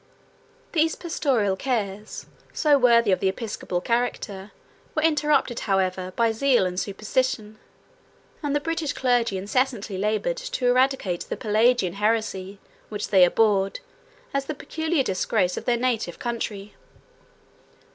These pastoral cares, so worthy of the episcopal character, were interrupted, however, by zeal and superstition; and the British clergy incessantly labored to eradicate the Pelagian heresy, which they abhorred, as the peculiar disgrace of their native country.